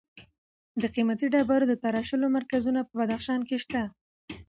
د قیمتي ډبرو د تراشلو مرکزونه په بدخشان کې شته.